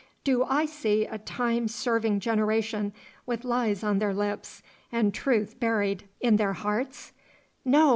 Do I see a time serving generation, with lies on their lips and truth buried in their hearts? No!